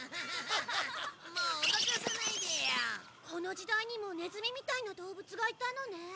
この時代にもネズミみたいな動物がいたのね。